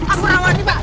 aku rawan nih pak